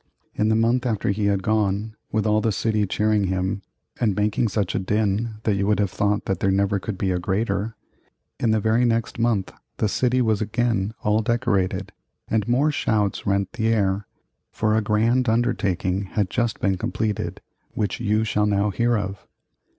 In the month after he had gone, with all the city cheering him and making such a din that you would have thought that there never could be a greater, in the very next month the city was again all decorated, and more shouts rent the air, for a grand undertaking had just been completed, which you shall now hear of.